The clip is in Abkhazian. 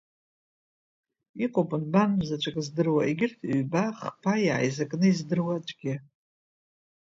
Иҟоуп нбан заҵәык здыруа, егьырҭ ҩба, хԥа, иааизакны издыруа аӡәгьы.